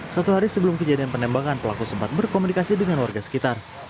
satu hari sebelum kejadian penembakan pelaku sempat berkomunikasi dengan warga sekitar